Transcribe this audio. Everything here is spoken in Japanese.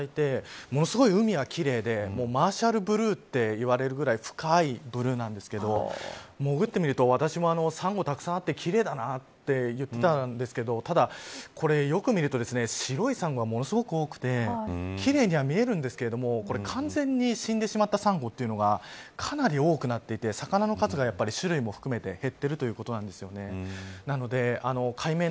そこで私も取材をさせていただいてものすごい海が奇麗でマーシャルブルーといわれるぐらい深いブルーなんですけど潜ってみると私もサンゴたくさんあって奇麗だなっていってたんですけどただよく見ると、白いサンゴがものすごく多くて奇麗には見えるんですけど完全に死んでしまったサンゴというのがかなり多くなっていて魚の数が、種類も含めて減っているということなんです。